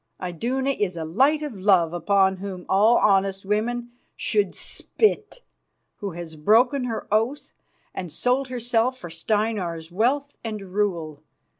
Iduna is a light of love upon whom all honest women should spit, who has broken her oath and sold herself for Steinar's wealth and rule.